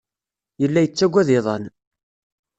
Yella yettaggad iḍan.